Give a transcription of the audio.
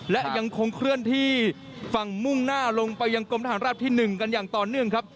และยังคงเคลื่อนที่ฝั่งมุ่งหน้าลงไปยังกรมทหารราบที่๑กันอย่างต่อเนื่องครับ